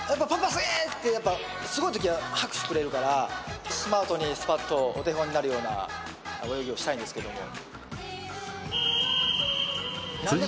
すげえってすごいときは拍手くれるからスマートにスパッとお手本になるような泳ぎをしたいんですけどもミニモニ。ジャンケンぴょん！